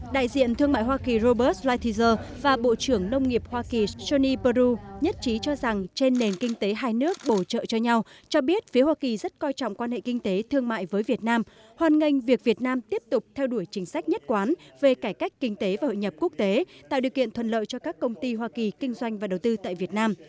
đại diện thương mại hoa kỳ robert gaitizer và bộ trưởng nông nghiệp hoa kỳ jody brodieu nhất trí cho rằng trên nền kinh tế hai nước bổ trợ cho nhau cho biết phía hoa kỳ rất coi trọng quan hệ kinh tế thương mại với việt nam hoàn ngành việc việt nam tiếp tục theo đuổi chính sách nhất quán về cải cách kinh tế và hội nhập quốc tế tạo điều kiện thuận lợi cho các công ty hoa kỳ kinh doanh và đầu tư tại việt nam